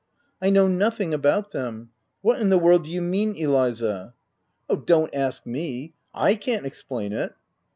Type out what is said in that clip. " I know nothing about them — What in the world do you mean, Eliza ?"" Oh, don't ask me !— /can't explain it."